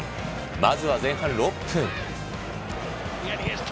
まずは前半６分。